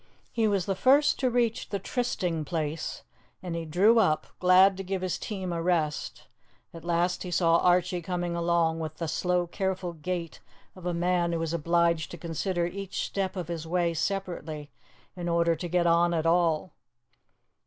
He was the first to reach the trysting place, and he drew up, glad to give his team a rest; at last he saw Archie coming along with the slow, careful gait of a man who is obliged to consider each step of his way separately in order to get on at all.